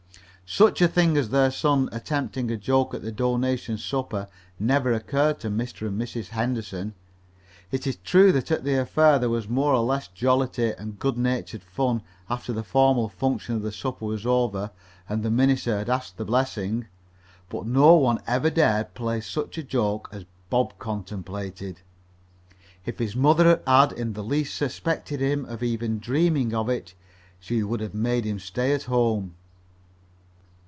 Such a thing as their son attempting a joke at the donation supper never occurred to Mr. or Mrs. Henderson. It is true that at the affair there was more or less jollity and good natured fun after the formal function of supper was over and the minister had asked the blessing. But no one had ever dared play such a joke as Bob contemplated. If his mother had in the least suspected him of even dreaming of it she would have made him stay at home.